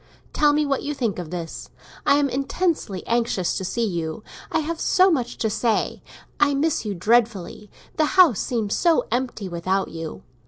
Tell me what you think of this. I am intensely anxious to see you; I have so much to say. I miss you dreadfully; the house seems so empty without you.